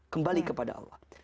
kembali kepada allah